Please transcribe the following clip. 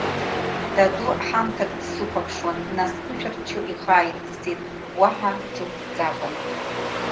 Даду ҳамҭакы дсыхәаԥшуан, нас дԥышәырччо ихы ааирҵысит, уаҳа ҿымҭӡакәан.